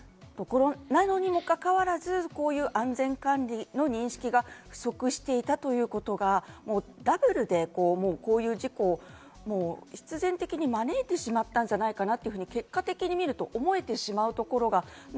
なのにもかかわらず、こういう安全管理の認識が不足してたということがダブルでこういう事故を必然的に招いてしまったんじゃないかなと結果的に見ると思えてしまいます。